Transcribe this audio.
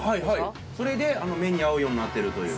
それであの麺に合うようになってるという。